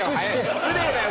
失礼だよ